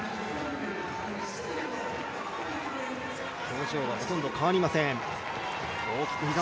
表情はほとんど変わりません。